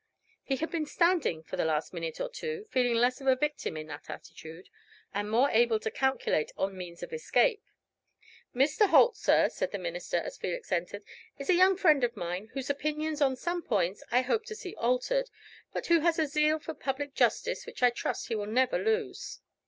He had been standing for the last minute or two, feeling less of a victim in that attitude, and more able to calculate on means of escape. "Mr. Holt, sir," said the minister, as Felix entered, "is a young friend of mine, whose opinions on some points I hope to see altered, but who has a zeal for public justice which I trust he will never lose."